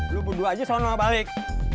lo bunuh aja soalnya mau balik